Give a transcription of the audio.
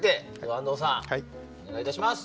安藤さん、お願いいたします。